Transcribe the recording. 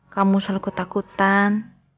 kamu selalu ketakutan